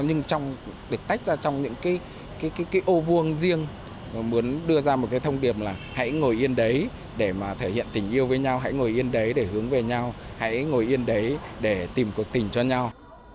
nhưng được tách ra trong những cái ô vuông riêng muốn đưa ra một cái thông điệp là hãy ngồi yên đấy để mà thể hiện tình yêu với nhau hãy ngồi yên đấy để hướng về nhau hãy ngồi yên đấy để tìm cuộc tình cho nhau